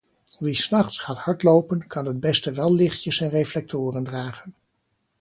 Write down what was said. Wie 's nachts gaat hardlopen, kan het beste wel lichtjes en reflectoren dragen.